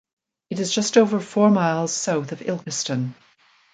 It is just over four miles south of Ilkeston.